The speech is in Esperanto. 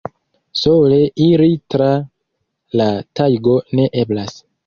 Sole iri tra la tajgo ne eblas!